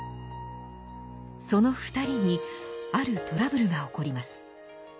その２人にあるトラブルが起こります。